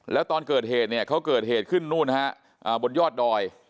แล้วตอนเกิดเหตุเนี่ยเขาเกิดเหตุขึ้นนู่นฮะบนยอดดอย